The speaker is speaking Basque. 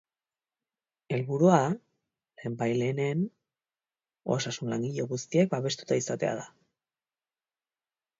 Helburua, lehenbailehenen, osasun langile guztiak babestuta izatea da.